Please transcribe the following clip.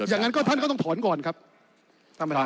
อย่างนั้นท่านก็ต้องถอนก่อนครับ